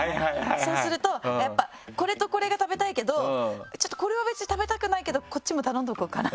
そうするとやっぱこれとこれが食べたいけどこれは別に食べたくないけどこっちも頼んどこうかなみたいな。